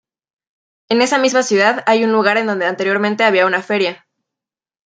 En esa misma ciudad hay un lugar en donde anteriormente había una feria.